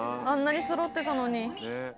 あんなにそろってたのに。